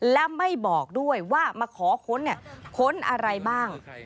และไม่บอกด้วยว่ามาขอค้นค้นอะไรบ้าง